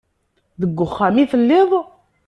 Deg uxxam itelliḍ?